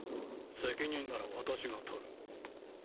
責任なら私が取る。